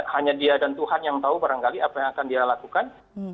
hanya dia dan tuhan yang tahu barangkali apa yang akan dia lakukan